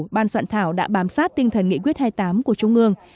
ban soạn thảo đã bám sát tinh thần nghị quyết hai mươi tám của trung ương